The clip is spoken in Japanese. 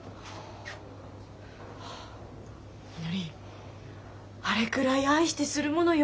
みのりあれくらい愛してするものよ